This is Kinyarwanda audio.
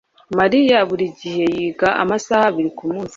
mariya buri gihe yiga amasaha abiri kumunsi